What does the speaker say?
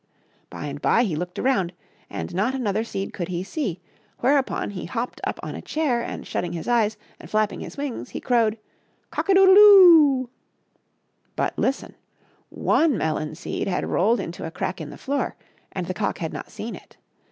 By and by he looked around, and not another seed could he see, whereupon he hopped up on a chair and, shutting his eyes and flapping his wings, he crowed " cock a doodle do !" But listen! One melon seed had rolled into a crack in the floor, and the cock had not seen it.